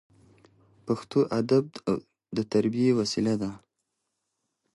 پښتو ادب د تربیې وسیله ده.